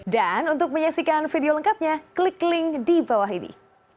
dan untuk menyaksikan video lengkapnya klik link di bawah ini